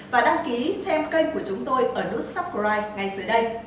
và đăng ký xem kênh của chúng tôi ở nút subscribe ngay dưới đây